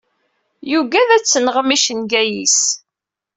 Yugad ad t-nɣen yicenga-is.